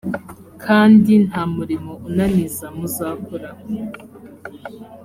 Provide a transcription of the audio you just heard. kandi nta murimo unaniza muzakora.